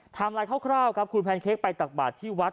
ทำอะไรคร่าวครับคุณแพนเค้กไปตากบาดที่วัด